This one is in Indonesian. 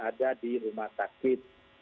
ada di rumah sakit